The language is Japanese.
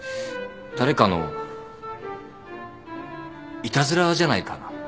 誰かのいたずらじゃないかな。